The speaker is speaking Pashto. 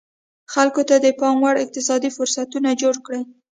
خلکو ته پاموړ اقتصادي فرصتونه جوړ کړي.